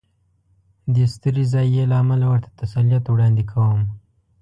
دې سترې ضایعې له امله ورته تسلیت وړاندې کوم.